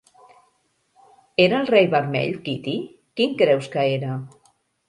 Era el Rei Vermell, Kitty? Quin creus que era?